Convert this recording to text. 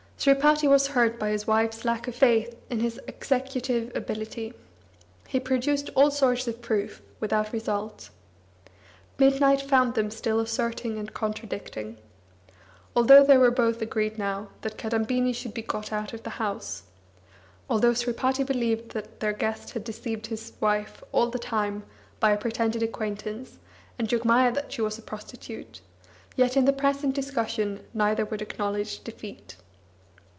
Sripati was hurt by his wife's lack of faith in his executive ability; he produced all sorts of proof, without result. Midnight found them still asserting and contradicting. Although they were both agreed now that Kadambini should be got out of the house, although Sripati believed that their guest had deceived his wife all the time by a pretended acquaintance, and Jogmaya that she was a prostitute, yet in the present discussion neither would acknowledge defeat.